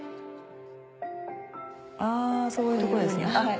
あそういうとこですね。